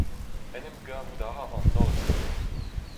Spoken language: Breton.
En em gavout a ra an holl eno.